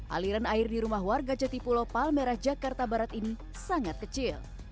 aliran air di rumah warga jati pulau palmerah jakarta barat ini sangat kecil